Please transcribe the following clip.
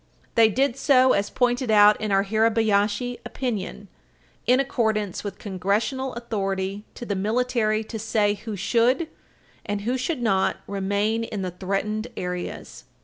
They did so, as pointed out in our Hirabayashi opinion, in accordance with Congressional authority to the military to say who should, and who should not, remain in the threatened areas.